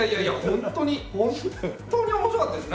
本当に本当に面白かったです。